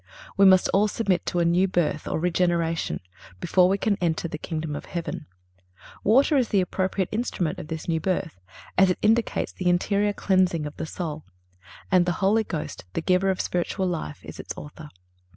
We must all submit to a new birth, or regeneration, before we can enter the kingdom of heaven. Water is the appropriate instrument of this new birth, as it indicates the interior cleansing of the soul; and the Holy Ghost, the Giver of spiritual life, is its Author.